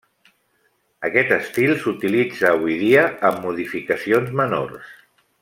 Aquest estil s'utilitza avui dia amb modificacions menors.